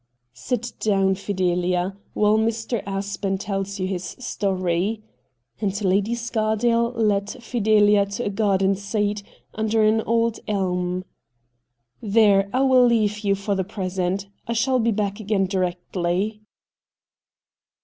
' Sit down, Fidelia, while Mr. Aspen tells you his story.' And Lady Scardale led Fideha to a garden seat, under an old elm. ' There, I will leave you for the present. I shall be back again directly.'